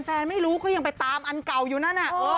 ไม่รู้เขายังไปตามอันเก่าอยู่นั่น